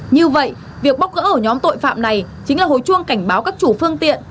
như vậy việc bóc gỡ ổ nhóm tội phạm này chính là hồi chuông cảnh báo các chủ phương tiện